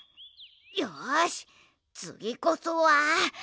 よしつぎこそは。